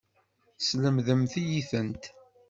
Teslemdem-iyi-tent.